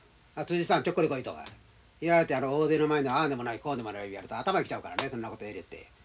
さんちょっくら来いとか言われて大勢の前でああでもないこうでもない言われたら頭に来ちゃうからねそんなこと言われて。